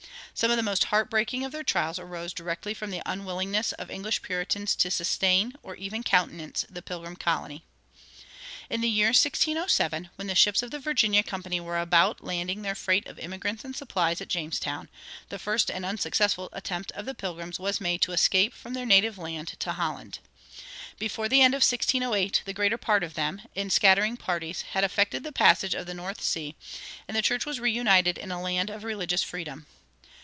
Some of the most heartbreaking of their trials arose directly from the unwillingness of English Puritans to sustain, or even countenance, the Pilgrim colony. In the year 1607, when the ships of the Virginia Company were about landing their freight of emigrants and supplies at Jamestown, the first and unsuccessful attempt of the Pilgrims was made to escape from their native land to Holland. Before the end of 1608 the greater part of them, in scattering parties, had effected the passage of the North Sea, and the church was reunited in a land of religious freedom.